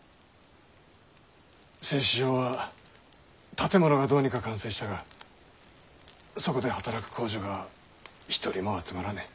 製糸場は建物はどうにか完成したがそこで働く工女が一人も集まらねぇ。